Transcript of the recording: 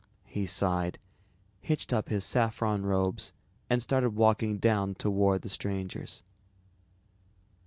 He sighed, hitched up his saffron robes and started walking down toward the strangers.